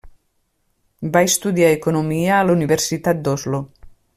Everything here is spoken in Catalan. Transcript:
Va estudiar economia a la Universitat d'Oslo.